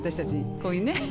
こういうね。